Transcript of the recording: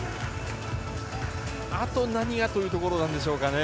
あと何がというところなんでしょうか。